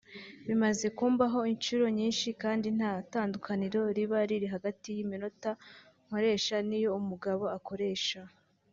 bimaze kumbaho inshuro nyinshi kandi nta tandukaniro riba riri hagati y’iminota nkoresha n’iyo umugabo akoresha